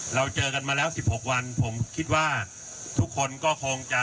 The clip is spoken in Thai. เราเจอกันมาแล้ว๑๖วันผมคิดว่าทุกคนก็คงจะ